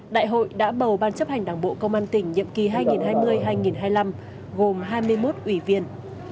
đại hội đã bầu ban chấp hành đảng bộ công an tỉnh nhiệm kỳ hai nghìn hai mươi hai nghìn hai mươi năm gồm hai mươi một ủy viên